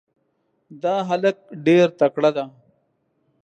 دا هلک ډېر تکړه ده.